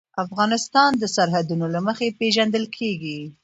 افغانستان د سرحدونه له مخې پېژندل کېږي.